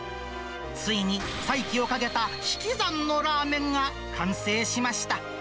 ついに再起をかけた引き算のラーメンが完成しました。